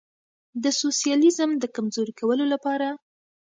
د سوسیالیزم د کمزوري کولو لپاره.